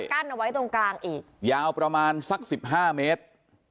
กั้นเอาไว้ตรงกลางอีกยาวประมาณสักสิบห้าเมตร